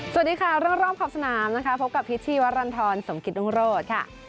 สวัสดีค่ะเรื่องรอบขอบสนามนะคะพบกับพิษชีวรรณฑรสมกิตรุงโรธค่ะ